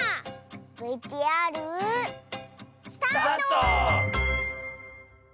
ＶＴＲ。スタート！